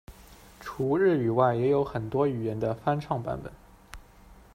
除日语外，也有很多语言的翻唱版本。